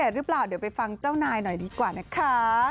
หรือเปล่าเดี๋ยวไปฟังเจ้านายหน่อยดีกว่านะคะ